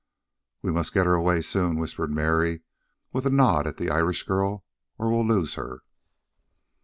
"We must get her away soon," whispered Mary, with a nod at the Irish girl, "or we'll lose her."